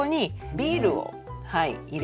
ビール？